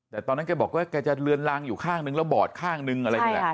แต่ตอนนั้นแกบอกว่าแกจะเลือนลางอยู่ข้างนึงแล้วบอดข้างนึงอะไรนี่แหละ